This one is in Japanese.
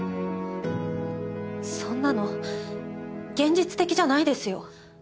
そんなの現実的じゃないですよ。